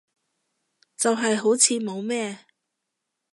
就係好似冇咩